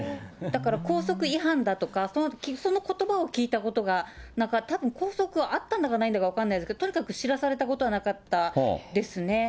だから、校則違反だとか、そのことばを聞いたことがなかった、たぶん校則、あったんだかないんだか分かんないですけど、とにかく知らされたことはなかったですね。